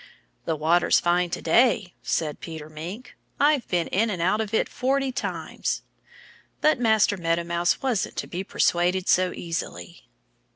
"The water's fine to day," said Peter Mink. "I've been in and out of it forty times." But Master Meadow Mouse wasn't to be persuaded so easily.